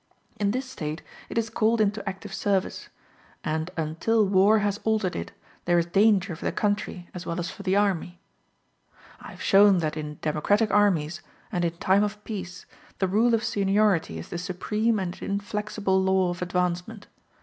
In this state it is called into active service; and until war has altered it, there is danger for the country as well as for the army. I have shown that in democratic armies, and in time of peace, the rule of seniority is the supreme and inflexible law of advancement.